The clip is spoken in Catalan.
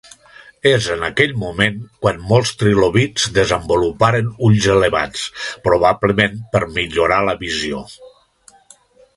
És en aquell moment quan molts trilobits desenvoluparen ulls elevats, probablement per millorar la visió.